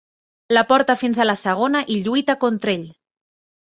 La porta fins a la segona i lluita contra ell.